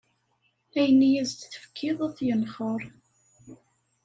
Ayen i as-d-tefkiḍ ad t-yenxer.